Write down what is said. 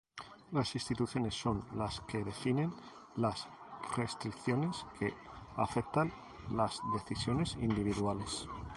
Las instituciones son las que definen las restricciones que afectan las decisiones individuales.